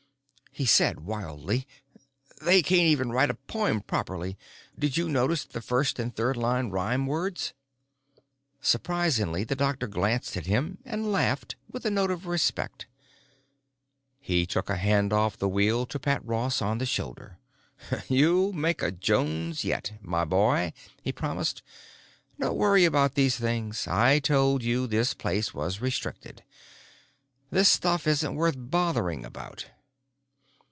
He said wildly, "They can't even write a poem properly. Did you notice the first and third line rhyme words?" Surprisingly, the doctor glanced at him and laughed with a note of respect. He took a hand off the wheel to pat Ross on the shoulder. "You'll make a Jones yet, my boy," he promised. "Don't worry about these things; I told you this place was restricted. This stuff isn't worth bothering about."